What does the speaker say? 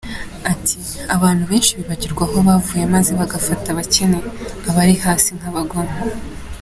Ati:” Abantu benshi bibagirwa aho bavuye maze bagafata abakene, abari hasi nk’abagome”.